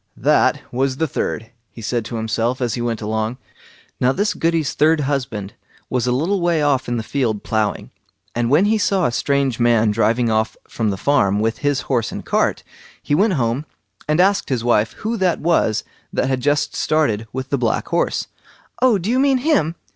"That was the third", he said to himself, as he went along. Now this Goody's third husband was a little way off in a field ploughing, and when he saw a strange man driving off from the farm with his horse and cart, he went home and asked his wife who that was that had just started with the black horse. "Oh, do you mean him?"